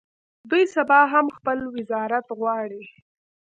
دوی سبا هم خپل وزارت غواړي.